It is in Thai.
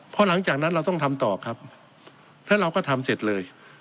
เพราะหลังจากนั้นเราต้องทำต่อครับแล้วเราก็ทำเสร็จเลย